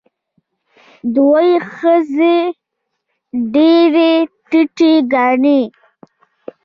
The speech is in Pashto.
دوی ښځې ډېرې ټیټې ګڼي.